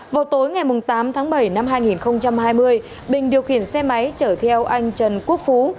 vào tối ngày tám tháng bảy năm hai nghìn hai mươi bình điều khiển xe máy chở theo anh trần quốc phú